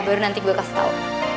baru nanti gue kasih tau